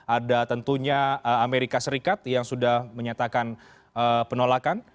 ada tentunya amerika serikat yang sudah menyatakan penolakan